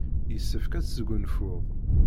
Yessefk ad tesgunfuḍ.